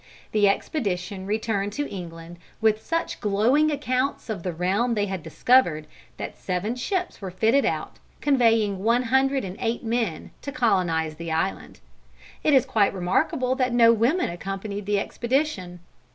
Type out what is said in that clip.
The expedition returned to England with such glowing accounts of the realm they had discovered, that seven ships were fitted out, conveying one hundred and eight men, to colonise the island. It is quite remarkable that no women accompanied the expedition.